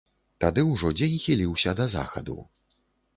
Тады ўжо дзень хіліўся да захаду.